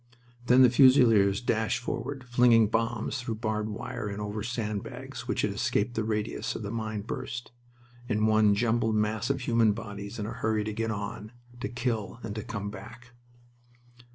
Then the Fusiliers dashed forward, flinging bombs through barbed wire and over sand bags which had escaped the radius of the mine burst in one jumbled mass of human bodies in a hurry to get on, to kill, and to come back.